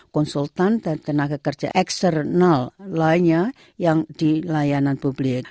konsultan dan tenaga kerja eksternal lainnya yang di layanan publik